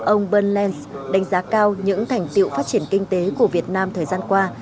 ông bernd lenz đánh giá cao những thành tiệu phát triển kinh tế của việt nam thời gian qua